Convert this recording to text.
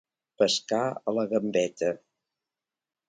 Pescar a la gambeta.